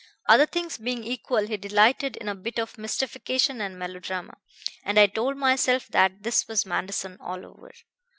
Other things being equal, he delighted in a bit of mystification and melodrama, and I told myself that this was Manderson all over.